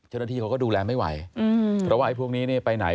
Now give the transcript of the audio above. เจ้าหน้าที่เขาก็ดูแลไม่ไหวเพราะว่าไอ้พวกนี้นี่ไปไหน